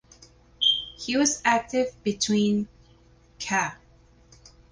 He was active between ca.